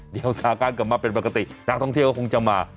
เดี๋ยวสถานการณ์กลับมาเป็นปกตินักท่องเที่ยวก็คงจะมา